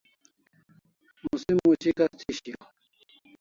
Musim much'ikas thi shiau